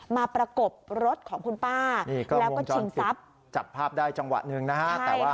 มาประกบรถคุณป้าแล้วก็จับภาพได้จังหวัดนึงนะฮะ